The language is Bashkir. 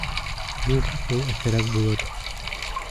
Юҡ, ул әсерәк булыр.